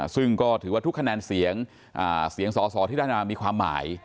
ซึ่งก็ถือว่าทุกคะแนนเสียงเสียงสอสอที่ได้มามีความหมาย